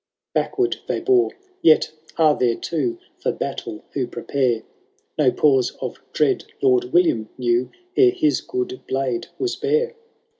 XV. Backward they bore v— y«t are there two For battle who prepare : No pause of dread Lord William knew Ere his good blade was bare